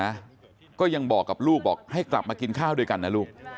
นะก็ยังบอกกับลูกบอกให้กลับมากินข้าวด้วยกันนะลูก